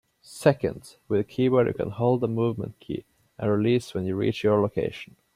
Second, with a keyboard you can hold a movement key and release when you reach your location.